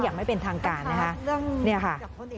อย่างไม่เป็นทางการนะคะเนี่ยค่ะ